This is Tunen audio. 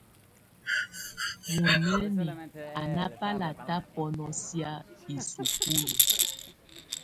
Muinǝ́ni á ná bálátá bɔ́nɔsɛ̀á isukulu.